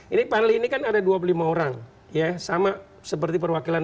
ini parli ini kan ada dua puluh lima orang ya sama seperti perwakilan